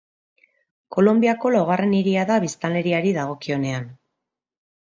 Kolonbiako laugarren hiria da biztanleriari dagokionean.